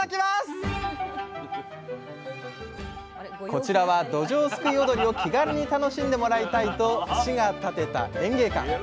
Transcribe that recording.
こちらはどじょうすくい踊りを気軽に楽しんでもらいたいと市が建てた演芸館。